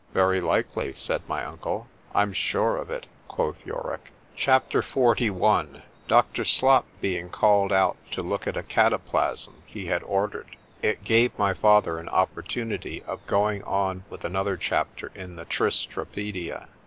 ——Very likely, said my uncle.—I'm sure of it—quoth Yorick.—— C H A P. XLI DOCTOR Slop being called out to look at a cataplasm he had ordered, it gave my father an opportunity of going on with another chapter in the _Tristra pædia.